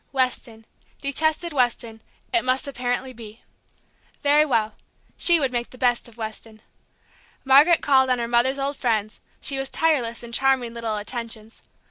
Weston, detested Weston, it must apparently be. Very well, she would make the best of Weston. Margaret called on her mother's old friends; she was tireless in charming little attentions.